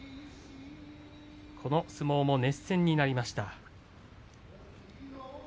この相撲も熱戦になりました。